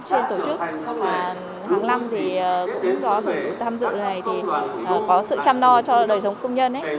có công đoàn tốc trên tổ chức hàng năm thì cũng có tham dự này có sự chăm lo cho đời sống của công nhân